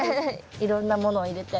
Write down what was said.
いろんなものを入れて。